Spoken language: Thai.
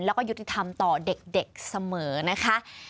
แล้วก็ยุติธรรมต่อเด็กเสมอนะคะ